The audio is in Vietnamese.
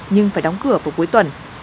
nhưng phải đóng cửa vào cuối tuần